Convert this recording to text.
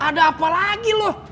ada apa lagi loh